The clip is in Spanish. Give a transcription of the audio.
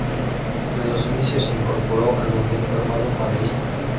Desde sus inicios se incorporó al movimiento armado maderista.